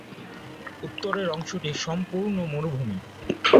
উত্তরের অংশটি সম্পূর্ণ মরুভূমি।